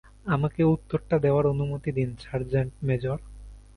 আমাকে উত্তরটা দেওয়ার অনুমতি দিন, সার্জেন্ট মেজর।